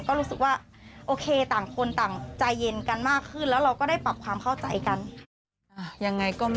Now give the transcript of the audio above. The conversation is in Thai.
ก็รู้สึกว่าโอเคต่างคนต่างใจเย็นกันมากขึ้น